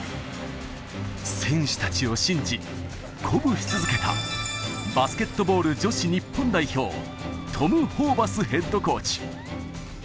選手たちを信じ、鼓舞し続けた、バスケットボール女子日本代表、トム・ホーバスヘッドコーチ。